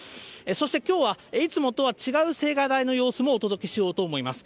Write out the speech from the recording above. そして、きょうはいつもとは違う青瓦台の様子もお届けしようと思います。